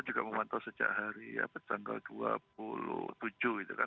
jika mau manto sejak hari tanggal dua puluh tujuh